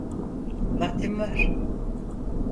Vaktim var.